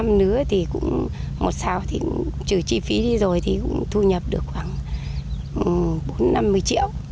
một lứa thì cũng một sao thì trừ chi phí đi rồi thì cũng thu nhập được khoảng bốn mươi năm mươi triệu